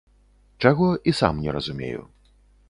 Чаго, і сам не разумею.